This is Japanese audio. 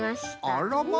あらま！